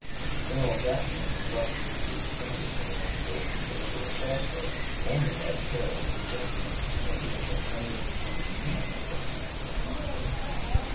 General (p. 187) Jackson was left to be defended from the accusation of deliberate falsehood only by the charitable suggestion that he had been unable to understand a perfectly simple conversation.